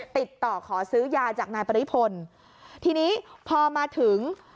ติดต่อขอซื้อยาจากนายปริพลทีนี้พอมาถึง